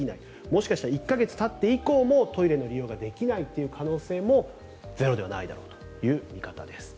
もしかしたら１か月たって以降もトイレの利用ができない可能性もゼロではないという見方です。